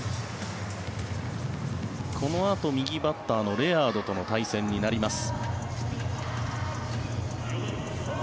このあと、右バッターのレアードとの対戦になります。